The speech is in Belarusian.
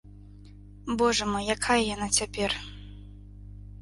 Божа мой, якая яна цяпер?